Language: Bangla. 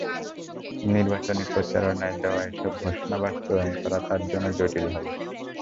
নির্বাচনী প্রচারণায় দেওয়া এসব ঘোষণা বাস্তবায়ন করা তাঁর জন্য জটিল হবে।